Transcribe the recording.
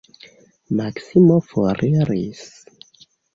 Maksimo foriris.